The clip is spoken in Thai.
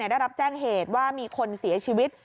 ได้รับแจ้งเหตุว่ามีคนเสียชีวิต